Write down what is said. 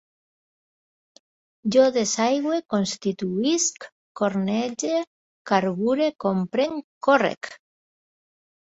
Jo desaigüe, constituïsc, cornege, carbure, comprenc, córrec